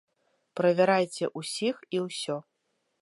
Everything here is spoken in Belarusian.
Правярайце ўсіх і ўсё.